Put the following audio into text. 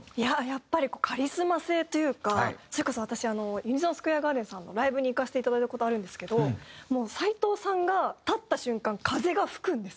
やっぱりカリスマ性というかそれこそ私ＵＮＩＳＯＮＳＱＵＡＲＥＧＡＲＤＥＮさんのライブに行かせていただいた事あるんですけどもう斎藤さんが立った瞬間風が吹くんですよ。